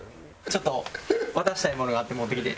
ちょっと渡したいものがあって持ってきて。